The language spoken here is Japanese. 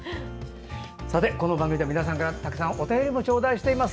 この番組では皆さんからお便りもちょうだいしています。